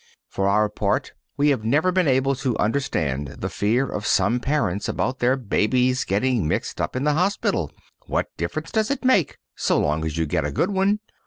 For our part we have never been able to understand the fear of some parents about babies getting mixed up in the hospital. What difference does it make so long as you get a good one?